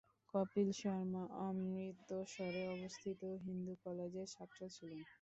কপিল শর্মা অমৃতসরে অবস্থিত হিন্দু কলেজের ছাত্র ছিলেন।